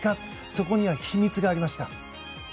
そこには秘密がありました。